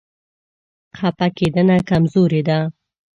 خفه کېدنه کمزوري ده.